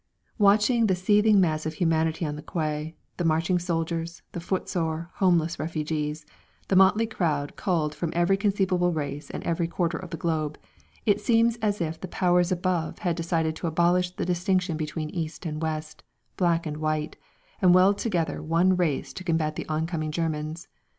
Watching the seething mass of humanity on the quay, the marching soldiers, the footsore, homeless refugees, the motley crowd culled from every conceivable race and every quarter of the globe, it seems as if the Powers Above had decided to abolish the distinction between east and west, black and white, and weld together one race to combat the oncoming Germans.